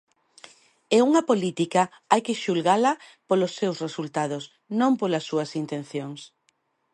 E unha política hai que xulgala polos seus resultados, non polas súas intencións.